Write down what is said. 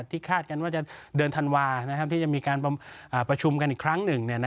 คาดกันว่าจะเดือนธันวาที่จะมีการประชุมกันอีกครั้งหนึ่ง